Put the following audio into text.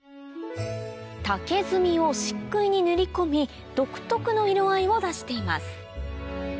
竹炭を漆喰に練り込み独特の色合いを出しています